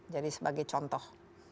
jadi sebagai contoh